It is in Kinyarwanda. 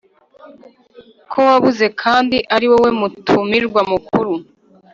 Ko wabuze kandi ariwowe mutumirwa mukuru